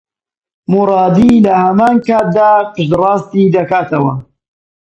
مورادی لە هەمان کاتدا پشتڕاستی دەکاتەوە